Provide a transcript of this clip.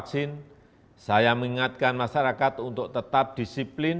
saya mengingatkan masyarakat untuk tetap disiplin